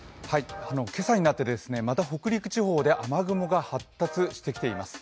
今朝になって北陸地方でまた雨雲が発達してきています。